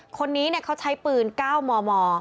คนนี้เนี่ยเขาใช้ปืน๙มม